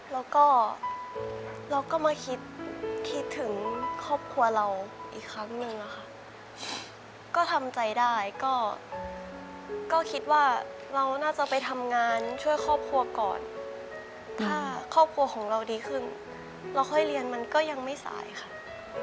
แล้วก็เราก็มาคิดคิดถึงครอบครัวเราอีกครั้งหนึ่งอะค่ะก็ทำใจได้ก็คิดว่าเราน่าจะไปทำงานช่วยครอบครัวก่อนถ้าครอบครัวของเราดีขึ้นเราค่อยเรียนมันก็ยังไม่สายค่ะ